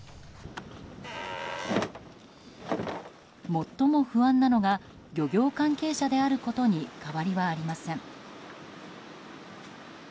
最も不安なのが漁業関係者であることに変わりはありません。